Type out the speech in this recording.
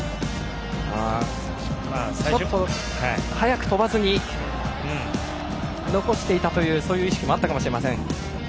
早く飛ばずに残していたというそういう意識もあったかもしれません。